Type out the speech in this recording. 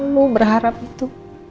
mama selalu berharap itu